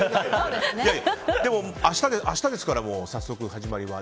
でも明日ですから早速、始まりは。